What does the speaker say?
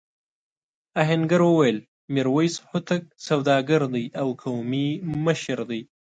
آهنګر وویل میرويس هوتک سوداګر دی او قومي مشر دی.